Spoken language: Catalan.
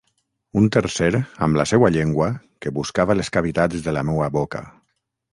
Un tercer amb la seua llengua que buscava les cavitats de la meua boca.